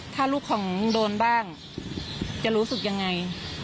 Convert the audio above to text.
ถ้าลูกของโดนบ้างจะรู้สึกยังไง